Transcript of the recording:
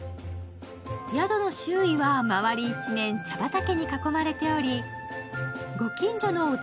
宿の周囲は辺り一面茶畑に囲まれておりご近所のお茶